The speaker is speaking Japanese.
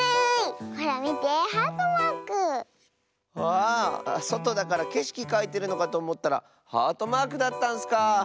わあそとだからけしきかいてるのかとおもったらハートマークだったんスかあ。